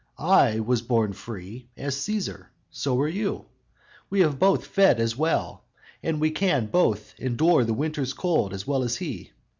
I was born free as Cæsar; so were you. We both have fed as well; and we can both Endure the winter's cold as well as he.